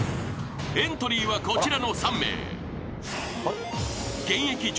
［エントリーはこちらの３名］